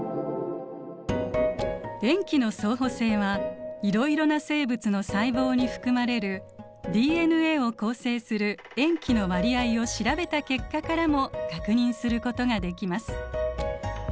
塩基の相補性はいろいろな生物の細胞に含まれるＤＮＡを構成する塩基の割合を調べた結果からも確認することができます。